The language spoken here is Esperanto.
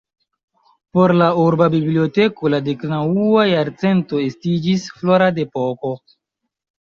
Por la Urba Biblioteko la deknaŭa jarcento estiĝis florad-epoko.